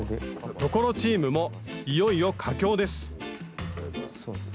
所チームもいよいよ佳境です